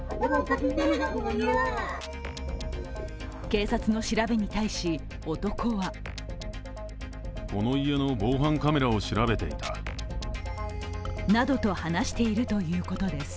警察の調べに対し男はなどと話しているということです。